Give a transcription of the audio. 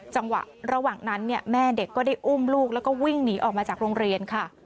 จังหวะระหว่างนั้นแม่เด็กก็ได้อุ้มลูกแล้วก็วิ่งหนีออกมาจากโรงเรียนค่ะ